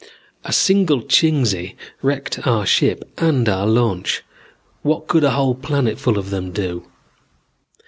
A single Chingsi wrecked our ship and our launch. What could a whole planetful of them do?